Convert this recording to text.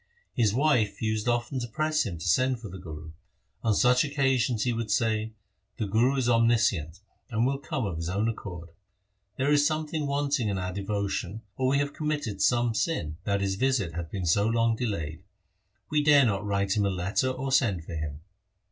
His wife used often to press him to send for the Guru. On such occasions he would say, ' The Guru is omniscient and will come of his own accord. There is something wanting in our devotion, or we have committed some sin that his visit hath been so long delayed. We dare not write him a letter or send for him.'